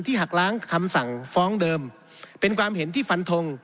หักล้างคำสั่งฟ้องเดิมเป็นความเห็นที่ฟันทง